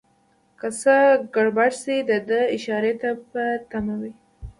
که څه ګړبړ شي دده اشارې ته په تمه وي.